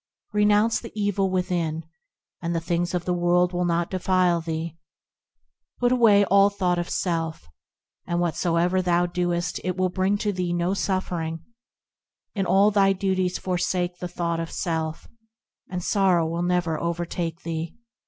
Renounce the evil within, and the things of the world will not defile thee ; Put away all thought of self, and whatsoever thou doest it will bring to thee no suffering; In all thy duties forsake the thought of self, and sorrow will never overtake thee.